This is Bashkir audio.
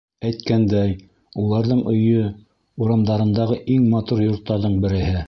Әйткәндәй, уларҙың өйө — урамдарындағы иң матур йорттарҙың береһе.